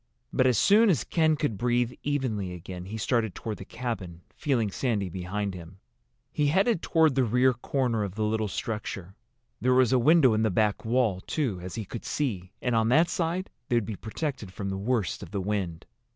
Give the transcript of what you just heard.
But as soon as Ken could breathe evenly again he started toward the cabin, feeling Sandy behind him. He headed toward the rear corner of the little structure. There was a window in the back wall, too, as he could see, and on that side they would be protected from the worst of the wind.